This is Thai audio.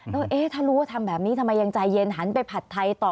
แล้วถ้ารู้ว่าทำแบบนี้ทำไมยังใจเย็นหันไปผัดไทยต่อ